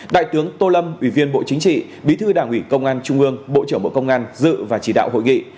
đại tướng tô lâm ủy viên bộ chính trị bí thư đảng ủy công an trung ương bộ trưởng bộ công an dự và chỉ đạo hội nghị